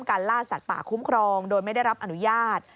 ล่าสัตว์ป่าคุ้มครองโดยไม่ได้รับอนุญาต